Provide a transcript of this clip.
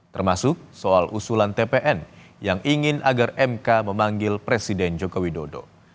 termasuk soal usulan tpn yang ingin agar mk memanggil presiden joko widodo